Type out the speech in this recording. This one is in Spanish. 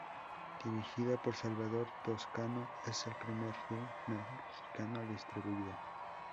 Dirigida por Salvador Toscano, es el primer film mexicano distribuido.